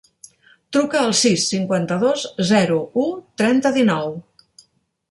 Truca al sis, cinquanta-dos, zero, u, trenta, dinou.